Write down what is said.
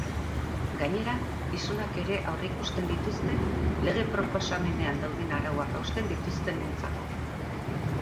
Gainera, isunak ere aurreikusten dituzte lege proposamenean dauden arauak hausten dituztenentzako.